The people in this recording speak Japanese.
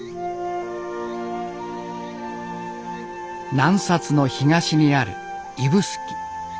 南の東にある指宿。